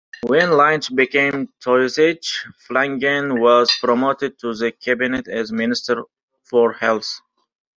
When Lynch became Taoiseach, Flanagan was promoted to the Cabinet as Minister for Health.